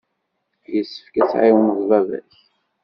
Yessefk ad tɛiwneḍ baba-k.